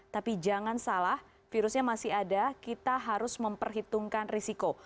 tapi jangan salah virusnya masih ada kita harus memperhitungkan risiko